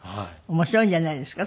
面白いんじゃないですか？